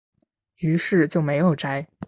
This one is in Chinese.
於是就没有摘